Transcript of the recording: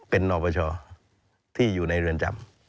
เป็นนอปชที่อยู่ในเรือนจำ